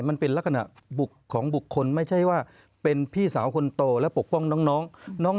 มันเป็นลักษณะบุกของบุคคลไม่ใช่ว่าเป็นพี่สาวคนโตและปกป้องน้อง